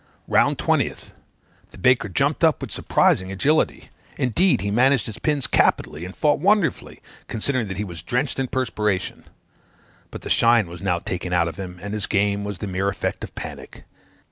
"Round 20th. The baker jumped up with surprising agility; indeed, he managed his pins capitally, and fought wonderfully, considering that he was drenched in perspiration; but the shine was now taken out of him, and his game was the mere effect of panic.